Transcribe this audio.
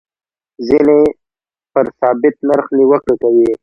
ځینې پر ثابت نرخ نیوکه کوي.